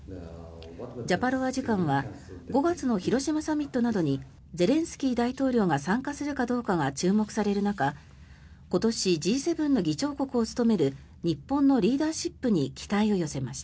ジャパロワ次官は５月の広島サミットなどにゼレンスキー大統領が参加するかどうかが注目される中今年Ｇ７の議長国を務める日本のリーダーシップに期待を寄せました。